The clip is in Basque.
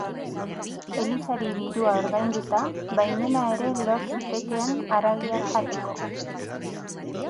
Elizari dirua ordainduta, baimena ere lor zitekeen haragia jateko.